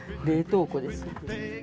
冷凍庫です。